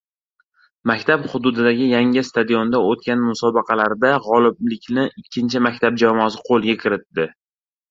Maktab hududidagi yangi stadionda oʻtgan musobaqalarda gʻoliblikni ikkinchi maktab jamoasi qoʻlga kiritdi.